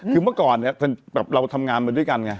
คือเมื่อก่อนเนี่ยเราทำงานมาด้วยกันไง